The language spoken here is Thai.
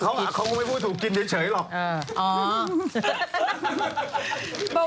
เขาหาเขาก็ไม่พูดถูกกินเฉยหรอก